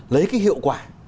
lấy cái hiệu quả